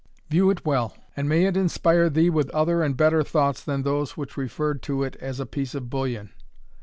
View it well, and may it inspire thee with other and better thoughts than those which referred to it as a piece of bullion!